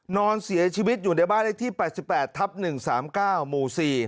นอนเสียชีวิตอยู่ในบ้านเลขที่๘๘ทับ๑๓๙หมู่๔